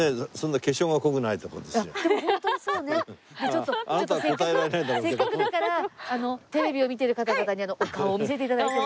ちょっとせっかくだからテレビを見ている方々にお顔を見せて頂いても。